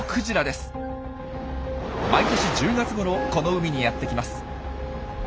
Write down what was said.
毎年１０月ごろこの海にやってきます。